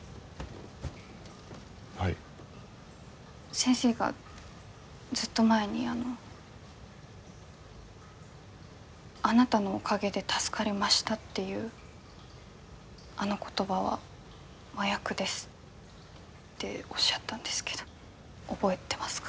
先生がずっと前にあなたのおかげで助かりましたっていうあの言葉は麻薬ですっておっしゃったんですけど覚えてますか？